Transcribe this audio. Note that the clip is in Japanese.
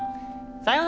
さようなら！